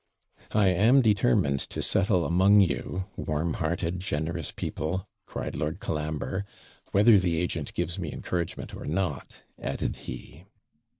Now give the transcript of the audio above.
'I am determined to settle among you, warm hearted, generous people!' cried Lord Colambre, 'whether the agent gives me encouragement or not,' added he.